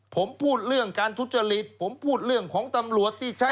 ผมพูดเรื่องการทุจริตผมพูดเรื่องของตำรวจที่ใช้